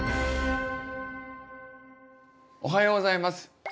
おはようございます。